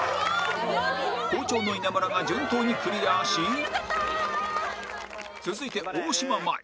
好調の稲村が順当にクリアし続いて大島麻衣